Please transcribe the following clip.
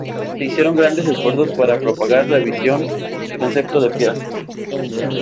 Se hicieron grandes esfuerzos para propagar la visión del concepto de Piast.